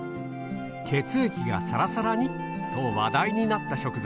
血液がさらさらにと話題になった食材。